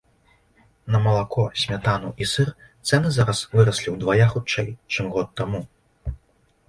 На малако, смятану і сыр цэны зараз выраслі ўдвая хутчэй, чым год таму.